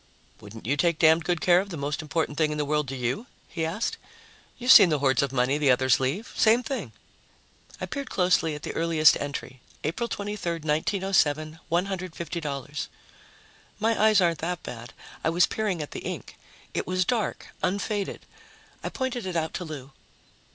"Wouldn't you take damned good care of the most important thing in the world to you?" he asked. "You've seen the hoards of money the others leave. Same thing." I peered closely at the earliest entry, April 23, 1907, $150. My eyes aren't that bad; I was peering at the ink. It was dark, unfaded. I pointed it out to Lou.